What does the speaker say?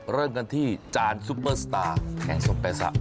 เริ่มกันที่จานซุปเปอร์สตาร์แผงสมแปซะ